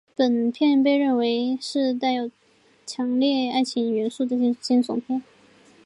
本片被认为是带有强烈爱情元素的惊悚片。